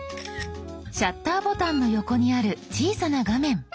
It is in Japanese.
シャッターボタンの横にある小さな画面。